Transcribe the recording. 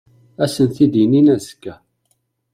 Ad sent-d-inin azekka.